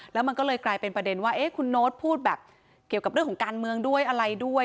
แล้วมันก็เลยกลายเป็นประเด็นว่าคุณโน๊ตพูดแบบเกี่ยวกับเรื่องของการเมืองด้วยอะไรด้วย